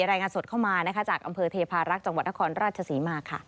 รายงานสดเข้ามานะคะจากอำเภอเทพารักษ์จังหวัดนครราชศรีมาค่ะ